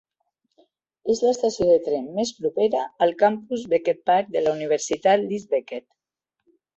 És l'estació de tren més propera al campus Beckett Park de la Universitat Leeds Beckett.